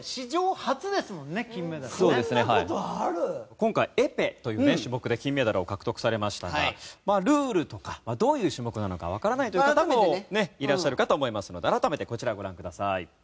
今回エペという種目で金メダルを獲得されましたがまあルールとかどういう種目なのかわからないという方もねいらっしゃるかと思いますので改めてこちらをご覧ください。